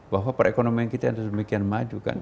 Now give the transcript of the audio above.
bahwa perekonomian kita harus demikian maju kan